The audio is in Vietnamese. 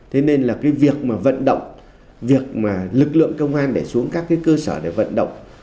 thế nên là cái việc mà vận động việc mà lực lượng công an để xuống các cái cơ sở để vận động